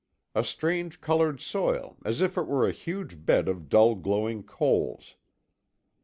A strange colored soil, as if it were a huge bed of dull glowing coals.